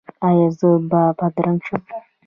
ایا زه به بدرنګه شم؟